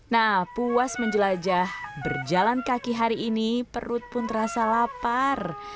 nah puas menjelajah berjalan kaki hari ini perut pun terasa lapar